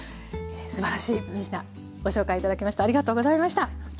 すばらしい３品ご紹介頂きましてありがとうございました。